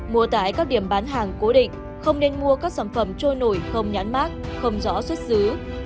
mua tại các điểm bán hàng cố định không nên mua các sản phẩm trôi nổi không nhãn mát không rõ xuất xứ